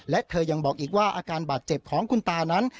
และเธอยังบอกอีกว่าอาการบาดเจ็บของคุณตานั้น